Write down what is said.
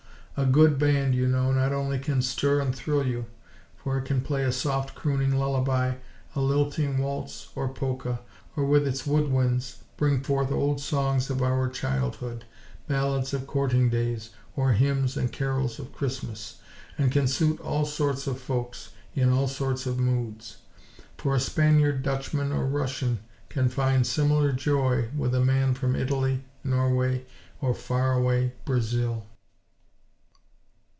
A good band, you know, not only can stir and thrill you; for it can play a soft crooning lullaby, a lilting waltz or polka; or, with its wood winds, bring forth old songs of our childhood, ballads of courting days, or hymns and carols of Christmas; and can suit all sorts of folks, in all sorts of moods; for a Spaniard, Dutchman or Russian can find similar joy with a man from Italy, Norway or far away Brazil.